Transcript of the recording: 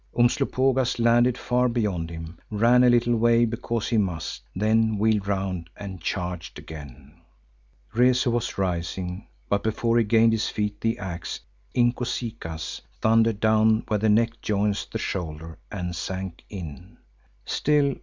Umslopogaas landed far beyond him, ran a little way because he must, then wheeled round and charged again. Rezu was rising, but before he gained his feet, the axe Inkosikaas thundered down where the neck joins the shoulder and sank in.